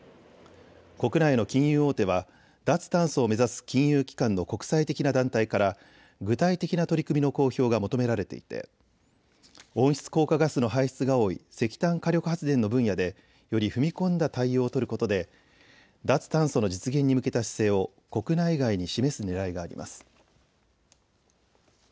国内の金融大手は脱炭素を目指す金融機関の国際的な団体から具体的な取り組みの公表が求められていて温室効果ガスの排出が多い石炭火力発電の分野でより踏み込んだ対応を取ることで脱炭素の実現に向けた姿勢を国内外に示すねらいがあります。